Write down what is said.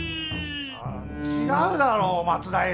違うだろう松平！